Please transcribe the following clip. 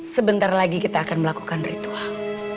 sebentar lagi kita akan melakukan ritual